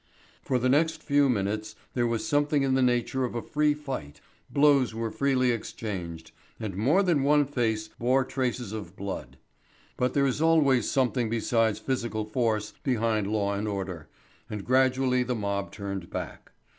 For the next few minutes there was something in the nature of a free fight; blows were freely exchanged, and more than one face bore traces of blood. But there is always something besides physical force behind law and order, and gradually the mob turned back.